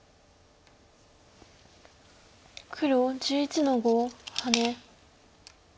黒１１の五ハネ。